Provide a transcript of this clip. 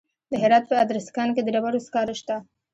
د هرات په ادرسکن کې د ډبرو سکاره شته.